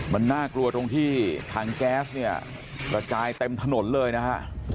มันน่ากลัวตรงที่ถังแก๊สเนี่ยกระจายเต็มถนนเลยนะฮะ